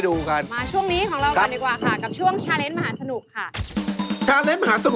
เดินหน้าด้วยอีก๕เมตร